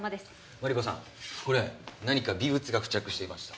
マリコさんこれ何か微物が付着していました。